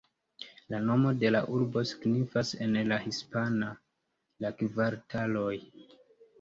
La nomo de la urbo signifas en la hispana "La kvartaloj".